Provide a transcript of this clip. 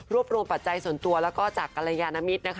รวบรวมปัจจัยส่วนตัวและจากกรยานมิตร